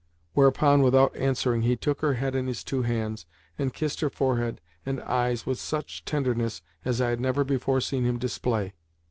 whereupon, without answering, he took her head in his two hands, and kissed her forehead and eyes with such tenderness as I had never before seen him display.